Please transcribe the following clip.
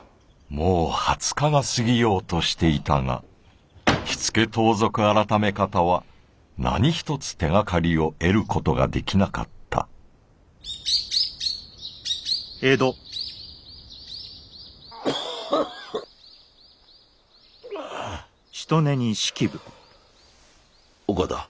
もう２０日が過ぎようとしていたが火付盗賊改方は何一つ手がかりを得る事ができなかった岡田。